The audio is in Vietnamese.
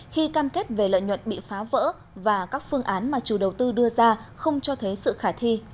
khi cam kết về lợi nhuận bị phá vỡ và các phương án mà chủ đầu tư đưa ra không cho thấy sự khả thi